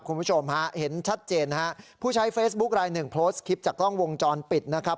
คุณผู้ชมฮะเห็นชัดเจนนะฮะผู้ใช้เฟซบุ๊คลายหนึ่งโพสต์คลิปจากกล้องวงจรปิดนะครับ